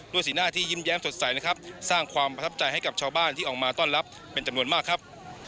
สีหน้าที่ยิ้มแย้มสดใสนะครับสร้างความประทับใจให้กับชาวบ้านที่ออกมาต้อนรับเป็นจำนวนมากครับ